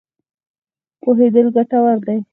پوهېدل ګټور دی.